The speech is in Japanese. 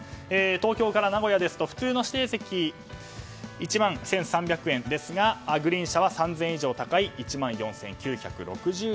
東京名古屋ですと普通の指定席は１万１３００円ですがグリーン車は３０００円以上高い１万４９６０円。